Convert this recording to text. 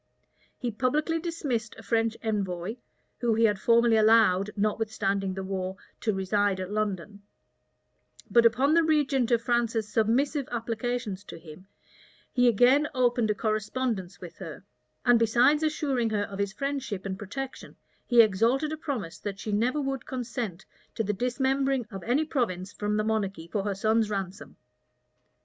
He publicly dismissed a French envoy, whom he had formerly allowed, notwithstanding the war, to reside at London;[] but upon the regent of France's submissive applications to him, he again opened a correspondence with her; and besides assuring her of his friendship and protection, he exacted a promise that she never would consent to the dismembering of any province from the monarchy for her son's ransom.